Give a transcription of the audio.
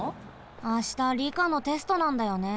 あしたりかのテストなんだよね。